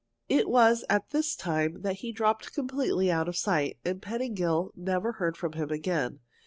It was at this time that he dropped completely out of sight, and Pettingill never heard from him again.